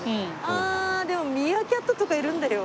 ああでもミーアキャットとかいるんだよ。